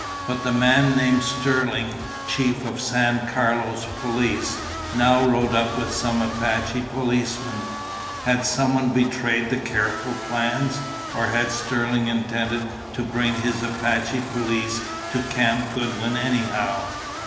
But the man named Sterling, Chief of San Carlos Police, now rode up with some Apache policemen. Had someone betrayed the careful plans? Or had Sterling intended to bring his Apache Police to Camp Goodwin anyhow?